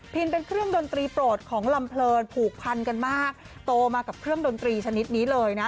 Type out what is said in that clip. เป็นเครื่องดนตรีโปรดของลำเพลินผูกพันกันมากโตมากับเครื่องดนตรีชนิดนี้เลยนะ